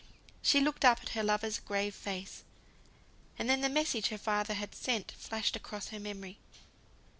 She looked up at her lover's grave face; and then the message her father had sent flashed across her memory.